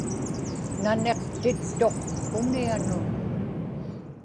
naniqtittuq unianun